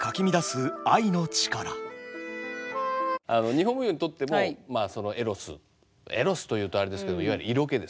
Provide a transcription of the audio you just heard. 日本舞踊にとってもまあそのエロスエロスというとあれですけどいわゆる色気ですね。